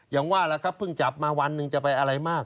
อย่างว่าล่ะครับเพิ่งจับมาวันหนึ่งจะไปอะไรมาก